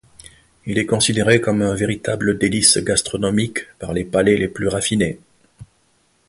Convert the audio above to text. Il est considéré comme un véritable délice gastronomique par les palais les plus raffinés.